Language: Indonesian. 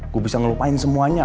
gue bisa ngelupain semuanya